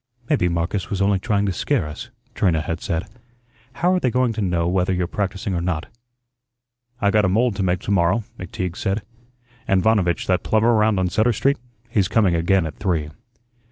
"Maybe Marcus was only trying to scare us," Trina had said. "How are they going to know whether you're practising or not?" "I got a mould to make to morrow," McTeague said, "and Vanovitch, that plumber round on Sutter Street, he's coming again at three."